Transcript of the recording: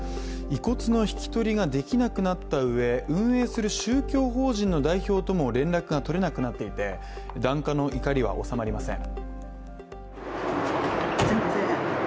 遺骨の引き取りができなくなったうえ運営する宗教法人の代表とも連絡がとれなくなっていて檀家の怒りは収まりません。